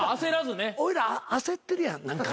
おいら焦ってるやん何か。